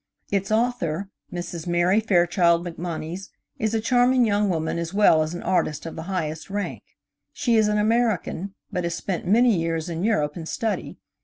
THE PRIMITIVE WOMAN. Its author, Mrs. Mary Fairchild MacMonnies, is a charming young women as well as an artist of the highest rank. She is an American, but has spent many years in Europe in study.